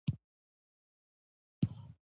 اوسنۍ واکمنۍ په زور اخیستل یو روایت دی.